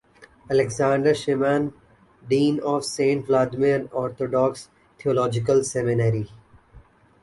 Alexander Schmemann, Dean of Saint Vladimir's Orthodox Theological Seminary.